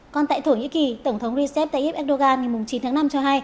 còn tại thổ nhĩ kỳ tổng thống recep tayyip erdogan ngày chín tháng năm cho hai